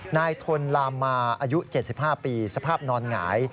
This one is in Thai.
นายทนลามมาอายุ๗๕ปีสภาพนอนหงาย